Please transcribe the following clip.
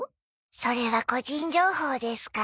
それは個人情報ですから。